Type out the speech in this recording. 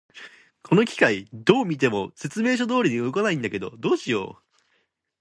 この機械、どう見ても説明書通りに動かないんだけど、どうしよう。